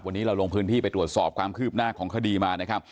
วันนี้เราลงพื้นที่ไปตรวจสอบความคืบหน้าของคดีมานะครับ